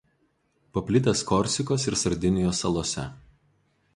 Paplitęs Korsikos ir Sardinijos salose.